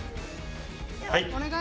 はい。